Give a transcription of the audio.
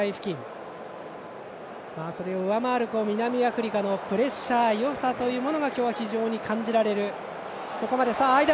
南アフリカのプレッシャーよさというものが今日は非常に感じられる。